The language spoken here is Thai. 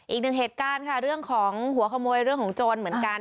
อีกหนึ่งเหตุการณ์ค่ะเรื่องของหัวขโมยเรื่องของโจรเหมือนกัน